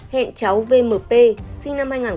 hẹn cháu vmp sinh năm hai nghìn chín